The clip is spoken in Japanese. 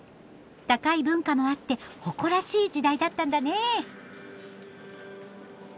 高い文化もあって誇らしい時代だったんだねえ。